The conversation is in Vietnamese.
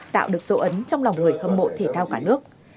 tạo được dấu ấn trong lòng người hâm mộ thể thao cả nước